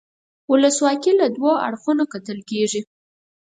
ولسواکي له دوو اړخونو کتل کیږي.